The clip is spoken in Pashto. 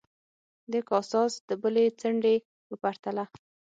د کاساس د بلې څنډې په پرتله.